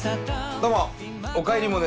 どうも！